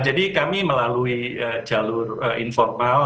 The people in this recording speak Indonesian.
jadi kami melalui jalur informal